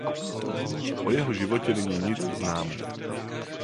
O jeho životě není nic známo.